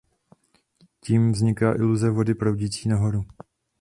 Tím vzniká iluze vody proudící nahoru.